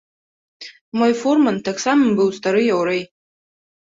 Мой фурман таксама быў стары яўрэй.